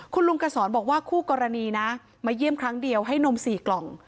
คุณลุงกระสอนบอกว่าคู่กรณีนะมาเยี่ยมครั้งเดียวให้นม๔กล่อง